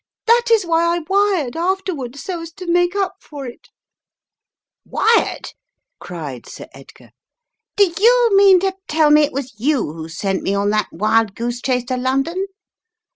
That is why I wired, afterward, so as to make up for it " i "A Tale Unfolded" 301 "Wired?" cried Sir Edgar. "Do you mean to tell me it was you who sent me on that wild goose chase to London?"